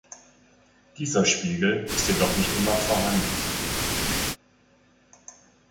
Dieser Spiegel ist jedoch nicht immer vorhanden.